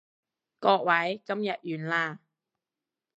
各位，今日完啦